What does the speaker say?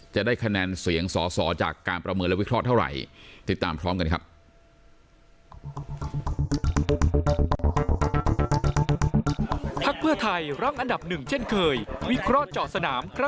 จะได้คะแนนเสียงสอจากการประเมินและวิเคราะห์เท่าไหร่